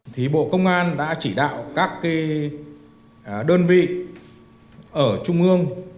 thì bộ công an đã chỉ đạo các đơn vị ở trung ương